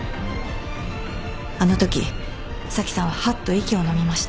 あのとき紗季さんははっと息をのみました。